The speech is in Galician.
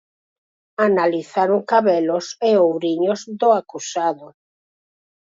Analizaron cabelos e ouriños do acusado.